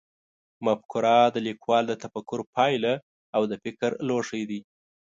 مفکوره د لیکوال د تفکر پایله او د فکر لوښی دی.